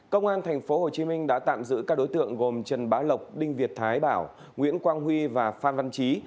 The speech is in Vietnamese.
công an tp hcm đã tạm giữ các đối tượng gồm trần bá lộc đinh việt thái bảo nguyễn quang huy và phan văn trí